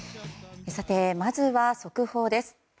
まずは速報です。